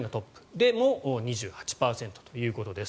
でも２８％ということです。